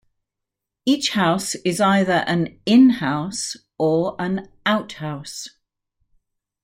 Each house is either an 'in-house' or an 'out-house'.